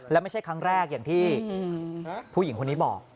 และไม่ใช่ครั้งแรกอย่างที่ผู้หญิงคนนี้บอก